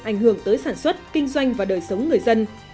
ảnh hưởng tới sản xuất kinh doanh và đời sống người dân